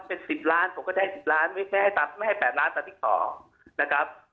เป็น๑๐ล้านผมก็ได้๑๐ล้านไม่ใช่ให้๘ล้านตามที่ขอนะครับ